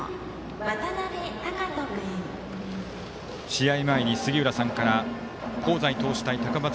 試合前に杉浦さんから香西投手対高松